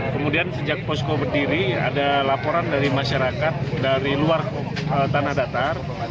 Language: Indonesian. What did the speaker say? kemudian sejak posko berdiri ada laporan dari masyarakat dari luar tanah datar